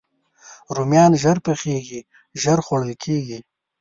رومیان ژر پخېږي، ژر خوړل کېږي